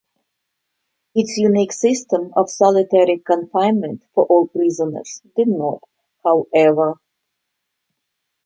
Its unique system of solitary confinement for all prisoners did not, however.